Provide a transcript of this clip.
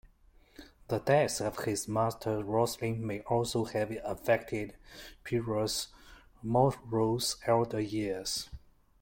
The death of his master Roselli may also have affected Piero's morose elder years.